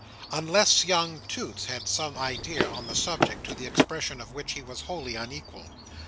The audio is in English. Unless young Toots had some idea on the subject, to the expression of which he was wholly unequal.